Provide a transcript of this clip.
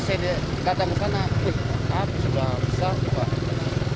masih di kata kata api sudah besar pak